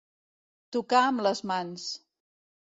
Tocar amb les mans.